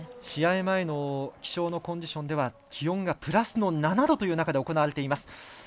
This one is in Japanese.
試合前の気象のコンディションでは気温がプラス７度という中で行われています。